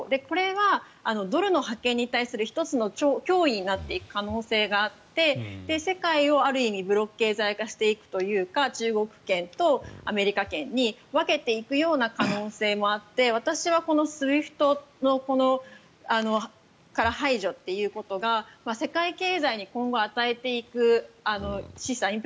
これはドルの覇権に対する１つの脅威になっていく可能性があって世界をある意味ブロック経済化していくというか中国圏とアメリカ圏に分けていくような可能性もあって私は、このＳＷＩＦＴから排除ということが世界経済に今後与えていく示唆